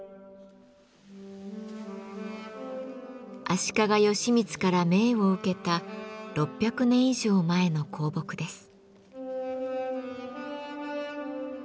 足利義満から銘を受けた６００年以上前の香木です。